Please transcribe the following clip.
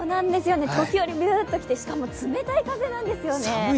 時折、ビューッと来てしかも冷たい風なんですよね。